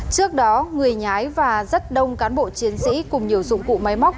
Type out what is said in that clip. trước đó người nhái và rất đông cán bộ chiến sĩ cùng nhiều dụng cụ máy móc